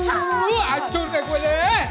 aduh ancur deh gue nih